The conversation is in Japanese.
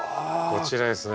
こちらですね。